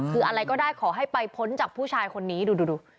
คืออะไรก็ได้ขอให้ไปพ้นจากผู้ชายคนนี้ดู